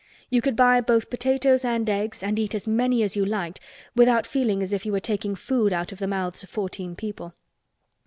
You could buy both potatoes and eggs and eat as many as you liked without feeling as if you were taking food out of the mouths of fourteen people.